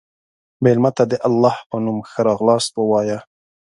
مېلمه ته د الله په نوم ښه راغلاست ووایه.